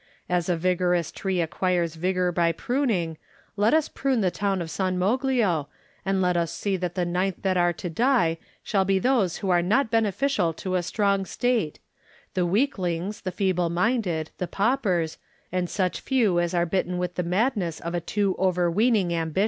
As a vigorous tree ac quires vigor by pruning, let us prune the town of San Moglio, and let us see that the ninth that are to die shall be those who are not beneficial to a strong state: the weak lings, the feeble minded, the paupers, and such few as are bitten with the madness of a too overweening ambition."